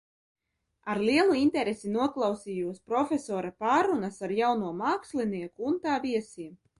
Ar lielu interesi noklausījos profesora pārrunas ar jauno mākslinieku un tā viesiem.